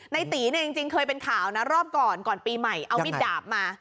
ตีเนี่ยจริงเคยเป็นข่าวนะรอบก่อนก่อนปีใหม่เอามิดดาบมา